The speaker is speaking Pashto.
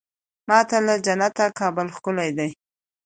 ما ته له جنته کابل ښکلی دی.